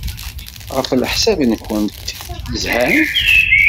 Ɣef leḥsab-nwent, zhan?